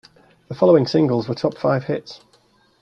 The following singles were top five hits.